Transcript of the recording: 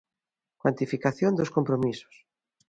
Cuantificación dos compromisos.